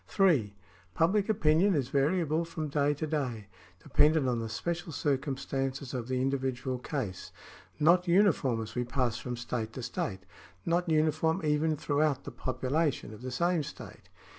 (3) Public opinion is variable from day to day — dependent on the special circumstances of the individual case — not uniform as we pass from state to state — not uniform even throughout the population of the same state.